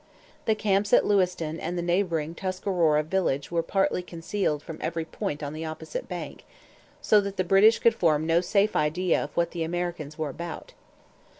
The camps at Lewiston and the neighbouring Tuscarora Village were partly concealed from every point on the opposite bank, so that the British could form no safe idea of what the Americans were about.